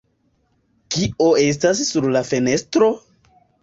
Kio estas sur la fenestro?